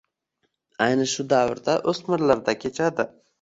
Ayni shu davrda oʻsmirlarda kechadi